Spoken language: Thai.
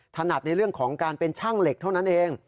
ถนัดในเรื่องของการเป็นช่างเหล็กเท่านั้นเอง